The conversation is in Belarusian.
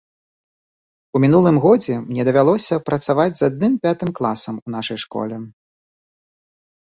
У мінулым годзе мне давялося працаваць з адным пятым класам у нашай школе.